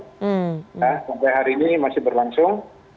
sampai hari ini masih berlangsung